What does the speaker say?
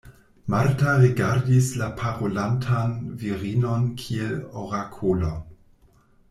Marta rigardis la parolantan virinon kiel orakolon.